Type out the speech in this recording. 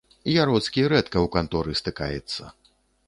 Яроцкі рэдка ў канторы стыкаецца.